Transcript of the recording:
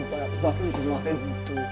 ya enggak gitu